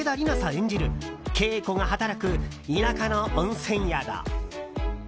演じるケイコが働く田舎の温泉宿。